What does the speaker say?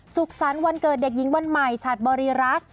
สุขสรรค์วันเกิดเด็กหญิงวันใหม่ฉัดบริรักษ์